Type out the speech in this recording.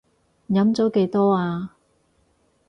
飲咗幾多呀？